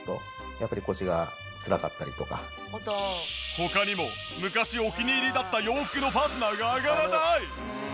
他にも昔お気に入りだった洋服のファスナーが上がらない。